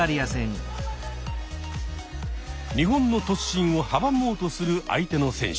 日本の突進を阻もうとする相手の選手。